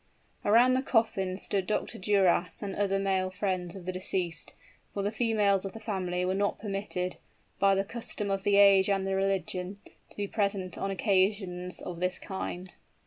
Around the coffin stood Dr. Duras and other male friends of the deceased: for the females of the family were not permitted, by the custom of the age and the religion, to be present on occasions of this kind.